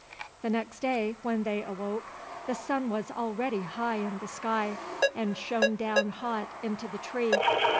The next day when they awoke, the sun was already high in the sky, and shone down hot into the tree.